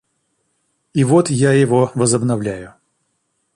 И вот я его возобновляю.